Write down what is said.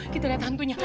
kita lihat hantunya